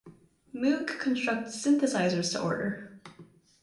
Moog constructed synthesizers to order.